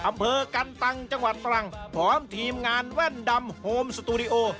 อำเภอกันตังจังหวัดตรังพร้อมทีมงานแว่นดำโฮมสตูดิโอ